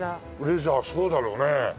レザーそうだろうね。